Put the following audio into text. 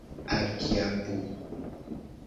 Adi a po.